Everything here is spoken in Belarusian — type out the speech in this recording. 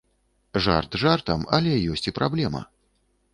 Жарт жартам, але ёсць і праблема.